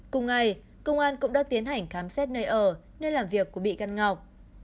cùng ngày công an cũng đã tiến hành khám xét nơi ở nơi làm việc của bị can ngọc